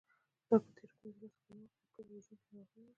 دا په تېرو پنځلسو کلونو کې تر ټولو وژونکې ناروغي وه.